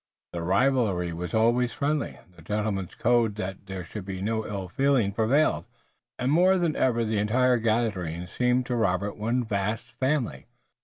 The rivalry was always friendly, the gentlemen's code that there should be no ill feeling prevailed, and more than ever the entire gathering seemed to Robert one vast family.